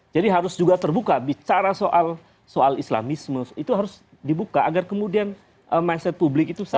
jadi harus juga terbuka bicara soal islamisme itu harus dibuka agar kemudian mindset publik itu sadar